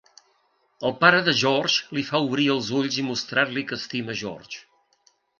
El pare de George li fa obrir els ulls i mostrar-li que estima George.